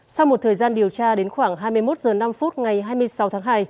sau một thời gian điều tra đến khoảng hai mươi một h năm ngày hai mươi sáu tháng hai